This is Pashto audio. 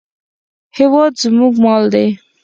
هېواد زموږ مال دی